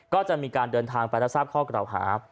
ก็จะมีการเดินทางไปแล้วทราบข้อกระดาษหา